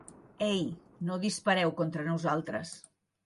Ei! No dispareu contra nosaltres!